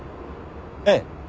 ええ。